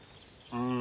うん。